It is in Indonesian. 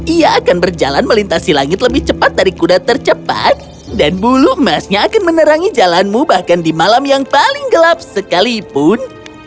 ia akan berjalan melintasi langit lebih cepat dari kuda tercepat dan bulu emasnya akan menerangi jalanmu bahkan di malam yang paling gelap sekalipun